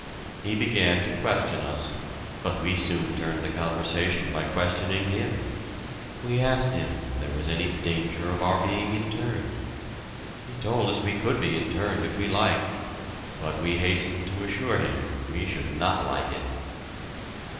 He began to question us, but we soon turned the conversation by questioning him. We asked him if there was any danger of our being interned? He told us we could be interned if we liked, but we hastened to assure him we should not like it.